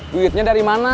duitnya dari mana